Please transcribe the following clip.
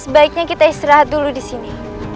sebaiknya kita istirahat dulu di sini